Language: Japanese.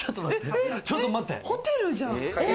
ホテルじゃん！